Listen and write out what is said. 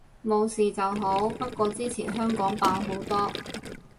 冇事就好，不過之前香港爆好多